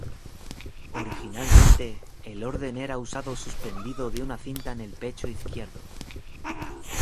Originalmente, el orden era usado suspendido de una cinta en el pecho izquierdo.